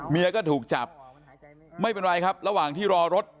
ก็ถูกจับไม่เป็นไรครับระหว่างที่รอรถ